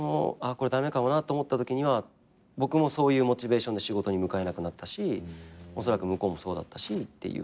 これ駄目かもなと思ったときには僕もそういうモチベーションで仕事に向かえなくなったしおそらく向こうもそうだったしっていう。